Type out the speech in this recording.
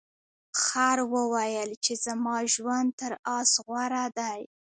خر وویل چې زما ژوند تر اس غوره دی.